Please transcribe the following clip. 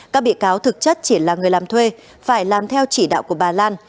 các bị cáo thực chất chỉ là người làm thuê phải làm theo chỉ đạo của bà lan